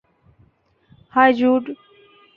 High, Jude!